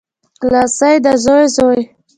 لمسی دزوی زوی